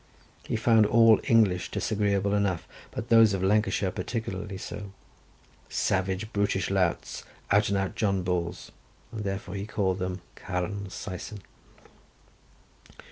He found all English disagreeable enough, but those of Lancashire particularly so—savage, brutish louts, out and out John Bulls, and therefore he called them Carn Saeson."